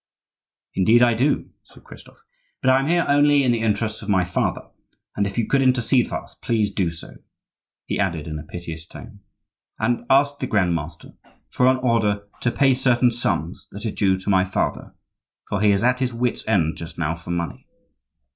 "Indeed I do!" said Christophe; "but I am here only in the interests of my father; and if you could intercede for us, please do so," he added in a piteous tone; "and ask the Grand Master for an order to pay certain sums that are due to my father, for he is at his wit's end just now for money."